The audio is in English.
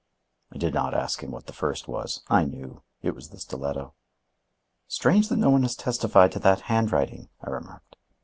I did not ask him what the first was. I knew. It was the stiletto. "Strange that no one has testified to that handwriting," I remarked.